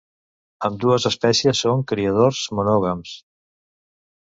Ambdues espècies són criadors monògams.